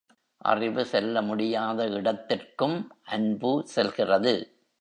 அறிவு செல்ல முடியாத இடத்திற்கும் அன்பு செல்கிறது.